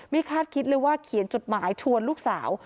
คาดคิดเลยว่าเขียนจดหมายชวนลูกสาว